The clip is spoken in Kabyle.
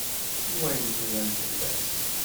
I wayen yuran fell-as?